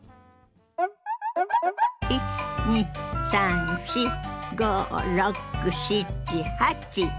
１２３４５６７８。